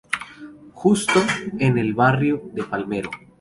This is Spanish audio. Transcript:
Justo", en el barrio de Palermo.